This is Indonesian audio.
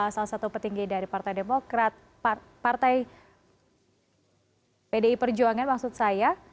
salah satu petinggi dari partai demokrat partai pdi perjuangan maksud saya